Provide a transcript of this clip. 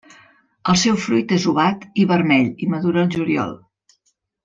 El seu fruit és ovat i vermell i madura al juliol.